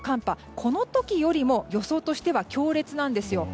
この時よりも予想としては強烈なんですよ。